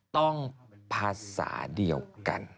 ต้องภาษาเดียวกัน